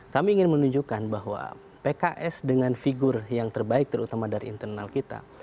kami ingin menunjukkan bahwa pks dengan figur yang terbaik terutama dari internal kita